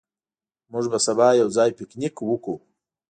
موږ به سبا یو ځای پکنیک وکړو.